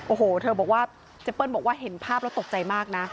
โอ้โหเธอบอกว่าเจเปิ้ลบอกว่าเห็นภาพแล้วตกใจมากนะ